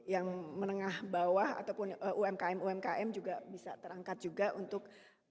yang menengah bawah ataupun umkm umkm juga bisa terangkat juga untuk